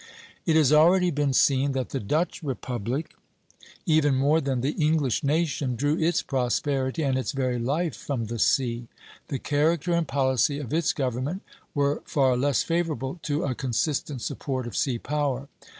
It has already been seen that the Dutch Republic, even more than the English nation, drew its prosperity and its very life from the sea. The character and policy of its government were far less favorable to a consistent support of sea power.